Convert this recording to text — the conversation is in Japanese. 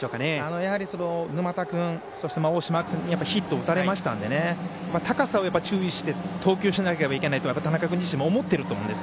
やはり沼田君、大島君にヒットを打たれましたので高さを注意して投球しないといけないと田中君自身も思っていると思います。